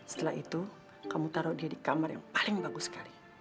setelah itu kamu taruh dia di kamar yang paling bagus sekali